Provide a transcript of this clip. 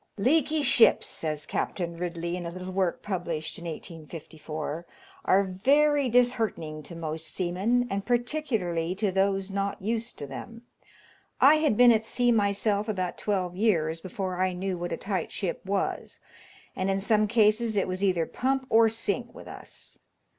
"Leaky ships," says Captain Ridley, in a little work published in 1854, "are very disheartening to most seamen, and particularly to those not used to them. I had been at sea myself about twelve years before I knew what a tight ship was, and in some cases it was either pump or sink with us."